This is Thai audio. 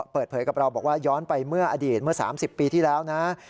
เปิดเผยกับเราบอกว่าย้อนไปเมื่ออดีตเมื่อ๓๐ปีที่แล้วนะ